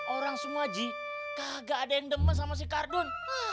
orang semua ji kagak ada yang demes sama si kardun